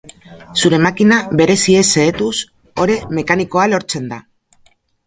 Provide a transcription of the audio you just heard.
Zura makina bereziez xehetuz, ore mekanikoa lortzen da.